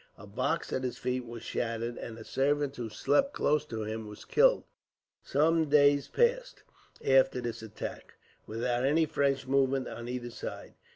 A box at his feet was shattered, and a servant who slept close to him was killed. Some days passed, after this attack, without any fresh movement on either side.